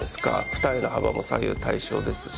二重の幅も左右対称ですし。